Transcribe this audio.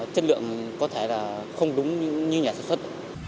chất lượng có thể là không đúng như nhà sản xuất